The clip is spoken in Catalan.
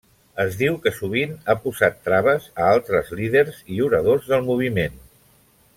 Es diu que sovint ha posat traves a altres líders i oradors del moviment.